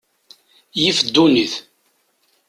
Yif ddunit.